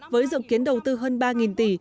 với dự kiến đầu tư hơn ba tỷ